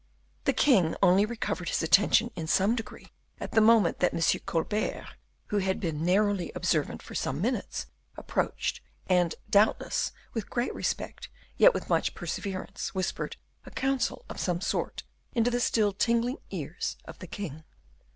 The king only recovered his attention in some degree at the moment that Monsieur Colbert, who had been narrowly observant for some minutes, approached, and, doubtless, with great respect, yet with much perseverance, whispered a counsel of some sort into the still tingling ears of the king.